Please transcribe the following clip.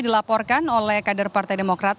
dilaporkan oleh kader partai demokrat